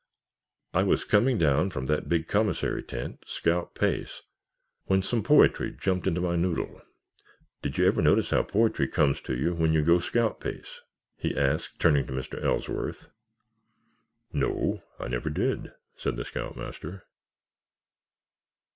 I was coming down from that big commissary tent, scout pace, when some poetry jumped into my noddle. Did you ever notice how poetry comes to you when you go scout pace?" he asked, turning to Mr. Ellsworth. "No, I never did," said the scoutmaster.